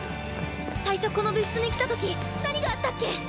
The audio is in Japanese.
最初この部室に来た時何があったっけ